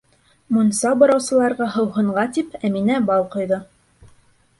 Мунса бураусыларға һыуһынға тип, Әминә бал ҡойҙо.